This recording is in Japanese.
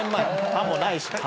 歯もないし。